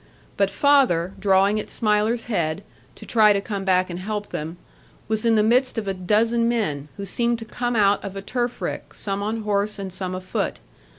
But father, drawing at Smiler's head, to try to come back and help them, was in the midst of a dozen men, who seemed to come out of a turf rick, some on horse, and some a foot.